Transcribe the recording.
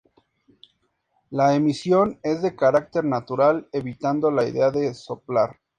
La emisión es de carácter "natural", evitando la idea de "soplar".